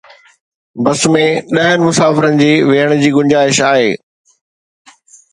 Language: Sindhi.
بس ۾ ڏهن مسافرن جي ويهڻ جي گنجائش آهي